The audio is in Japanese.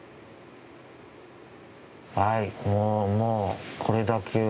はいもうもうこれだけは。